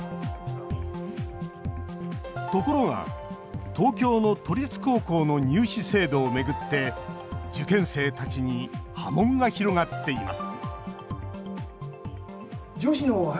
ところが、東京の都立高校の入試制度をめぐって受験生たちに波紋が広がっています